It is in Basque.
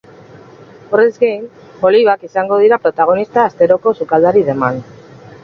Horrez gain, olibak izango dira protagonista asteroko sukaldari deman.